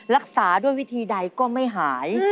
รักษาด้วยวิธีใดก็ไม่หาย